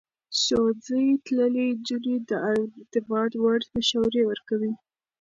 ښوونځی تللې نجونې د اعتماد وړ مشورې ورکوي.